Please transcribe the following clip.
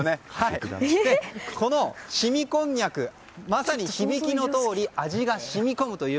この凍みこんにゃく、まさに響きのとおり味が染み込むと。